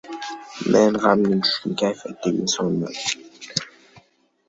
Men gʻamgin, tushkun kayfiyatdagi insonman.